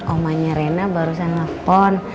omanya rena barusan telepon